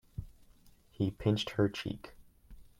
He pinched her cheek.